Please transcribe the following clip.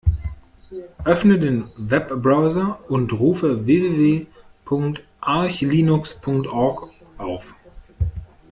Öffne den Webbrowser und rufe www.archlinux.org auf.